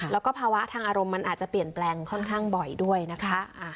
แล้วก็ภาวะทางอารมณ์มันอาจจะเปลี่ยนแปลงค่อนข้างบ่อยด้วยนะคะ